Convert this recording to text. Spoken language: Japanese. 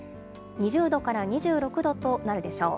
２０度から２６度となるでしょう。